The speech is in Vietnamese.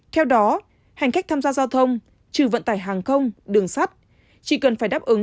theo đó hành khách tham gia giao thông trừ vận tải hàng không đường sắt chỉ cần phải đáp ứng